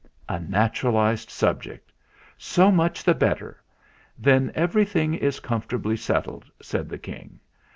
"A naturalised subject. So much the bet ter. Then everything is comfortably settled," said the King.